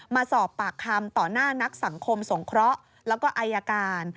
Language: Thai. มาสอบปากคำต่อหน้านักสังคมสงเคราะห์แล้วก็อายการ